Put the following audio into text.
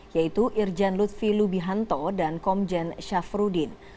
yaitu irjen lutfi lubihanto dan komjen syafruddin